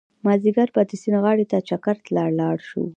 مازيګر به د سيند غاړې ته چکر له لاړ شو